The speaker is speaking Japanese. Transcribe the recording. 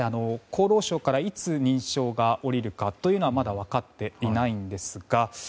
厚労省からいつ認証が下りるかはまだ分かっていないんですが。